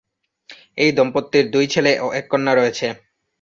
এই দম্পতির দুই ছেলে ও এক কন্যা রয়েছে।